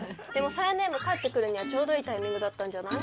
佐弥姉も帰ってくるにはちょうどいいタイミングだったんじゃない？